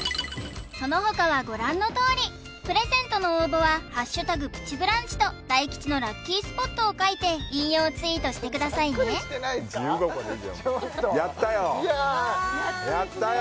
そのほかはご覧のとおりプレゼントの応募は「＃プチブランチ」と大吉のラッキースポットを書いて引用ツイートしてくださいね自由が丘でいいじゃんやったよやったよ！